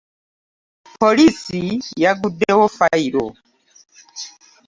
Poliisi yaggudewo fayiro.